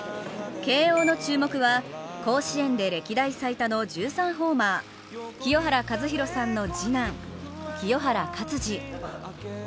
慶応の注目は、甲子園で歴代最多の１３ホーマー清原和博さんの次男・清原勝児。